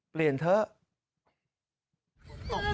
เปลี่ยนเถอะ